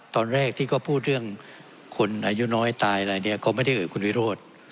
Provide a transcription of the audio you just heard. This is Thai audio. ตอนแรกที่เขาพูดเรื่องคนอายุน้อยตายอะไรเนี่ยก็ไม่ได้เอ่ยคุณวิโรธ